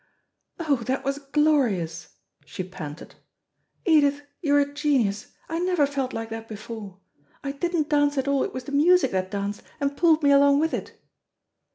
"Oh, that was glorious," she panted. "Edith, you are a genius. I never felt like that before. I didn't dance at all, it was the music that danced, and pulled me along with it."